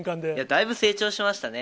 だいぶ成長しましたね。